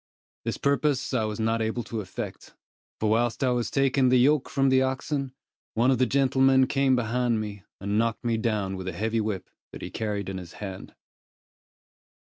This purpose I was not able to effect, for whilst I was taking the yoke from the oxen, one of the gentlemen came behind me, and knocked me down with a heavy whip, that he carried in his hand.